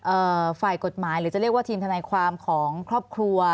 ฝ่ายกฎหมายหรือจะเรียกว่าทีมทนายความของครอบครัว